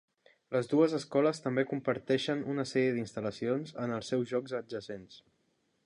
Les dues escoles també comparteixen una sèrie d'instal·lacions en els seus llocs adjacents.